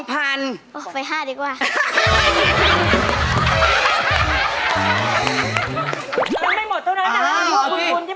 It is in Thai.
เฮ่ยฝ่าย๕เดี๋ยวก่อน